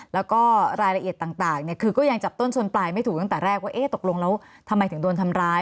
แล้วก็รายละเอียดต่างคือก็ยังจับต้นชนปลายไม่ถูกตั้งแต่แรกว่าเอ๊ะตกลงแล้วทำไมถึงโดนทำร้าย